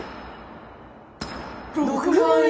６万円！？